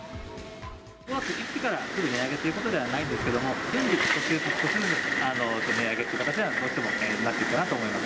５月１日からすぐ値上げということではないんですけれども、順次、少しずつ少しずつ、値上げっていう形には、どうしてもなっていくかなと思います。